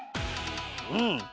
うん！